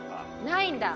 「ないんだ」